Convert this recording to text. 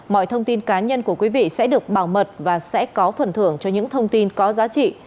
mọi thông tin cá nhân của quý vị sẽ được bảo mật và sẽ có phần thưởng cho những thông tin có giá trị